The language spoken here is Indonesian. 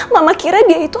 mama kira dia itu